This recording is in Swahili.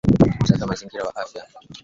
Usafi wa mazingira na afya ya umma